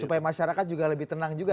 supaya masyarakat juga lebih tenang juga